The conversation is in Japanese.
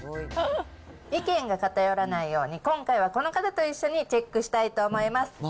意見が偏らないように、今回はこの方と一緒にチェックしたいと思います。